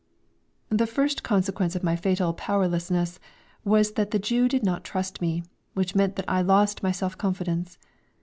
The first consequence of my fatal powerlessness was that the Jew did not trust me, which meant that I lost my self confidence.